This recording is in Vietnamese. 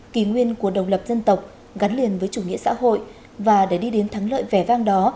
kỷ nguyên của đồng lập dân tộc gắn liền với chủ nghĩa xã hội và để đi đến thắng lợi vẻ vang đó